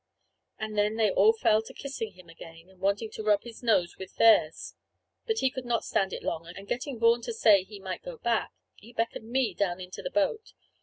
And then they all fell to kissing him again, and wanted to rub his nose with theirs. But he could not stand it long; and getting Vaughan to say he might go back, he beckoned me down into our boat.